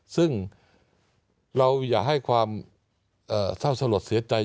ซึ่งเราอย่าให้ความเศร้าสลดเสียใจ